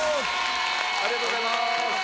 ありがとうございます。